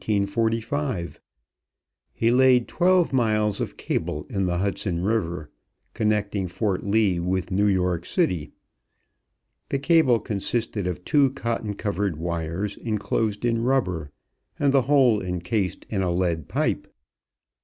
He laid twelve miles of cable in the Hudson River, connecting Fort Lee with New York City. The cable consisted of two cotton covered wires inclosed in rubber, and the whole incased in a lead pipe.